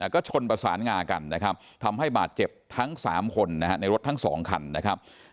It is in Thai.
ก็ชนประสานงากันนะครับทำให้บาดเจ็บทั้ง๓คนในรถทั้ง๒คันนะครับ